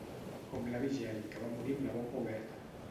Com l'avi Jai, que va morir amb la boca oberta.